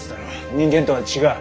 人間とは違う。